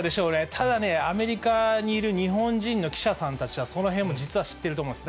ただね、アメリカにいる日本人の記者さんたちは、そのへんも実は知っていると思います。